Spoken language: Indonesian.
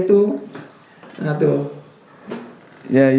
udah kusam kayak gitu